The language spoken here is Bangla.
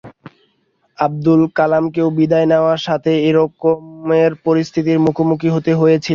আবদুল কালামকেও বিদায় নেওয়ার আগে একই রকমের পরিস্থিতির মুখোমুখি হতে হয়েছিল।